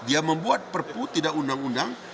dia membuat perpu tidak undang undang